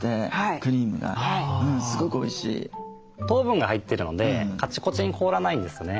糖分が入ってるのでカチコチに凍らないんですね。